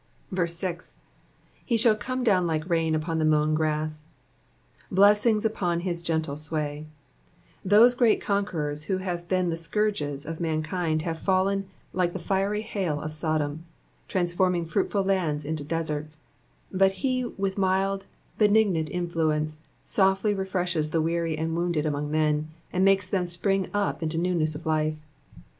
6. ^'Hfi shall come down like rain vpon the mottn grass,'* ^ Blessings upon his gentle sway I Tliose great conquerors who have been the scourges of mankind have fallen like the fiery hail of Sodom, transforming fruitful lands into deserts ; but he with mild, benignant influence softly refreshes the weary and wounded among men, and makes them spring up into newness of life.